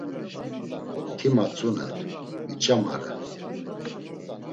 Ti matzunen, viç̌amare.